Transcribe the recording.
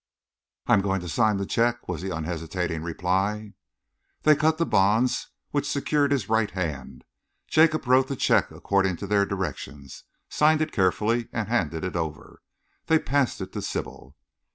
"I am going to sign the cheque," was the unhesitating reply. They cut the bonds which secured his right hand. Jacob wrote the cheque according to their directions, signed it carefully and handed it over. They passed it to Sybil.